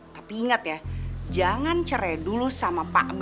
tapi ingat ya jangan cerai dulu sama pak bambang